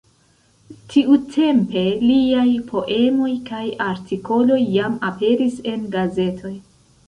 Tiutempe liaj poemoj kaj artikoloj jam aperis en gazetoj.